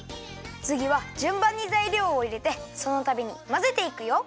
つぎはじゅんばんにざいりょうをいれてそのたびにまぜていくよ。